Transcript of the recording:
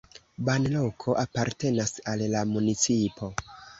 Banloko apartenas al la municipo.